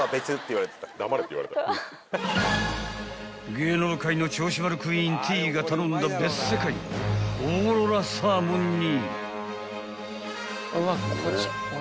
［芸能界の銚子丸クイーンＴが頼んだ別世界のオーロラサーモンに］